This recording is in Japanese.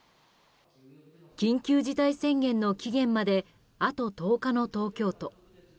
緊急事態宣言解除の期限まであと１０日の東京都。